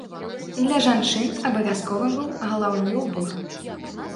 Для жанчын абавязковым быў галаўны ўбор.